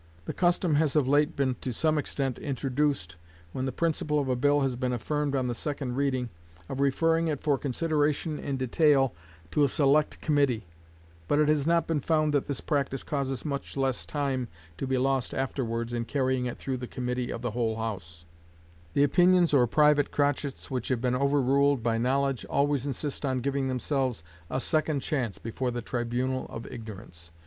The custom has of late been to some extent introduced, when the principle of a bill has been affirmed on the second reading, of referring it for consideration in detail to a select committee; but it has not been found that this practice causes much less time to be lost afterwards in carrying it through the committee of the whole House: the opinions or private crotchets which have been overruled by knowledge always insist on giving themselves a second chance before the tribunal of ignorance.